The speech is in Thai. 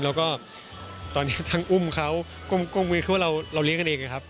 แล้วก็ตอนนี้ทั้งอุ้มเขาก้มไว้คือว่าเราเลี้ยงกันเองนะครับ